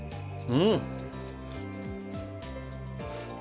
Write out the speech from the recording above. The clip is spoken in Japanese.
うん！